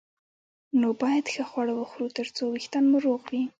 نو باید ښه خواړه وخورو ترڅو وېښتان مو روغ وي